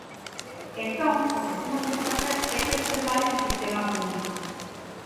Entón o que temos que facer é preservar ese sistema público.